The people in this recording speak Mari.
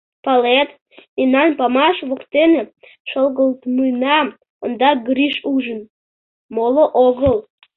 — Палет, мемнан памаш воктене шогылтмынам ондак Гриш ужын, моло огыл.